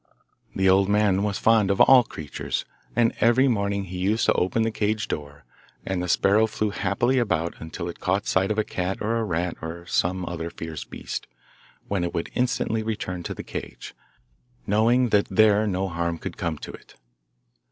The old man was fond of all creatures, and every morning he used to open the cage door, and the sparrow flew happily about until it caught sight of a cat or a rat or some other fierce beast, when it would instantly return to the cage, knowing that there no harm could come to it.